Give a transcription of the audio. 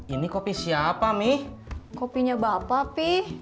ini kopi siapa nih kopinya bapak pih